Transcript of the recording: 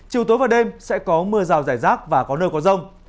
chiều tối và đêm sẽ có mưa rào rải rác và có nơi có rông